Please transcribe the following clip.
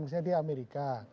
misalnya dia amerika